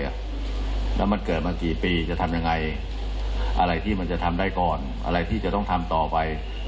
แล้วมันเกิดมากี่ปีจะทำยังไงอะไรที่มันจะทำได้ก่อนอะไรที่จะต้องทำต่อไป